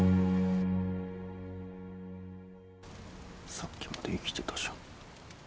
さっきまで生きてたじゃん。